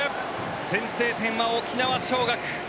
先制点は沖縄尚学。